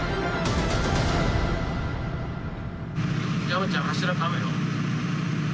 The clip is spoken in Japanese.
山ちゃん柱かむよ。